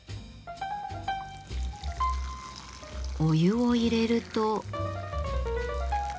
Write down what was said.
お湯を入れると。